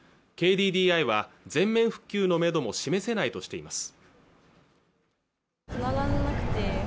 ＫＤＤＩは全面復旧のメドも示せないとしています